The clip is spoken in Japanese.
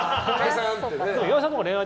岩井さん